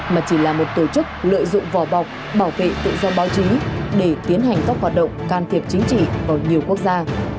mà chỉ là một tổ chức lợi dụng vỏ bọc bảo vệ tự do báo chí để tiến hành các hoạt động can thiệp chính trị ở nhiều quốc gia